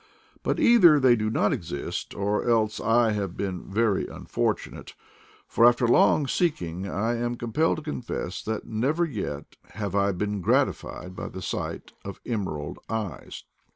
But either they do not exist or else I have been very unfortunate, for after long seek ing I am compelled to confess that never yet have I been gratified by the sight of emerald eyes.